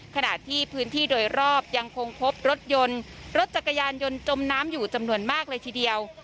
ขณะที่พื้นที่โดยรอบยังคงพบรถยนต์รถจักรยานยนต์จมน้ำอยู่จำนวนมากเลยทีเดียว